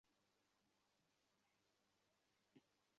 তবে ভারতীয় cricket board ICC বরাবর লিখিত আবেদন করে আপিল করার জন্য।